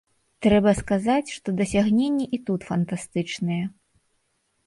Трэба сказаць, што дасягненні і тут фантастычныя.